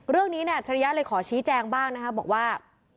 เรื่องนี้นายอัจฉริยะเลยขอชี้แจงบ้างนะครับบอกว่า